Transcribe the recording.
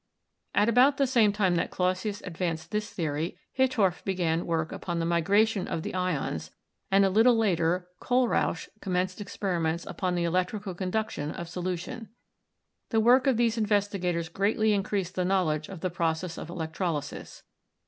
At about the same time that Clausius advanced this theory Hittorf began work upon the migration of the ions, and a little later Kohlrausch commenced experiments upon the electrical conductance of solution. The work of these investigators greatly increased the knowledge of the process of electrolysis.